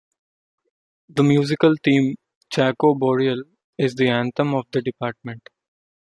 The musical theme "Chaco Boreal" is the anthem of the department.